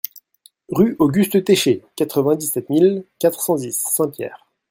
Rue Auguste Técher, quatre-vingt-dix-sept mille quatre cent dix Saint-Pierre